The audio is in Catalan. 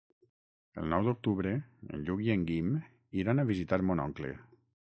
El nou d'octubre en Lluc i en Guim iran a visitar mon oncle.